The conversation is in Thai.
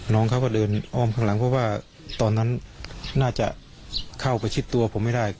น้องเขาก็เดินอ้อมข้างหลังเพราะว่าตอนนั้นน่าจะเข้าไปชิดตัวผมไม่ได้